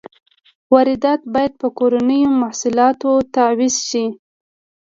واردات باید په کورنیو محصولاتو تعویض شي.